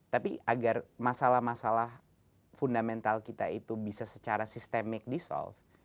tapi agar masalah masalah fundamental kita itu bisa secara sistemik di solve